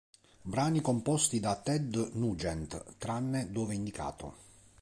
Brani composti da Ted Nugent, tranne dove indicato